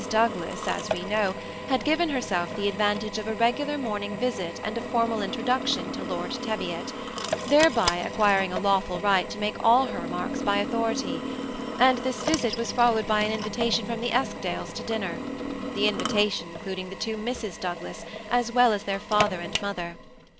Douglas, as we know, had given herself the advantage of a regular morning visit and a formal introduction to Lord Teviot, thereby acquiring a lawful right to make all her remarks by authority ;• and this visit was followed by an invitation from the Eskdales to dinner, — the invitation including the two Misses Douglas as well as their father and mother.